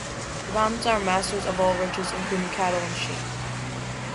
The mountains are masters of all riches, including cattle and sheep.